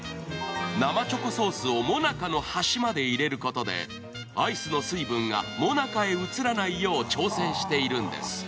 生チョコソースをモナカの端へと入れることで、アイスの水分がモナカへ移らないよう調整しているんです。